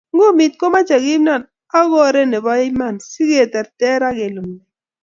Ngumiit ko mochei kimnon ak oree ne bo iman si kertekei ak ilumde.